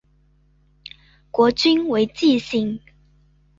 国君为姬姓。